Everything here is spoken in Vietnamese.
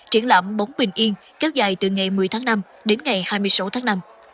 triển lãm bóng bình yên kéo dài từ ngày một mươi tháng năm đến ngày hai mươi sáu tháng năm